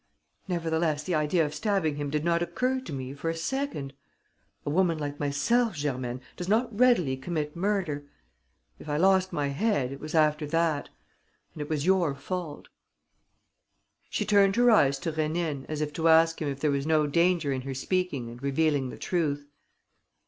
Nevertheless the idea of stabbing him did not occur to me for a second. A woman like myself, Germaine, does not readily commit murder.... If I lost my head, it was after that ... and it was your fault...." She turned her eyes to Rénine as if to ask him if there was no danger in her speaking and revealing the truth.